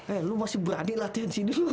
eh lu masih berani latihan sih dulu